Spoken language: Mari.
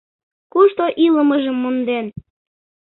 Кушто илымыжым монден